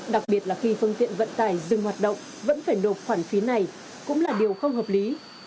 đặc biệt là khi phương tiện vận tải dừng hoạt động vẫn phải nộp khoản phí này cũng là điều không hợp lý